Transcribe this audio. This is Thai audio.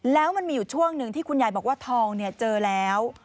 แล้วมันมีอยู่ช่วงหนึ่งที่คุณยายบอกว่าทองเจอแล้ว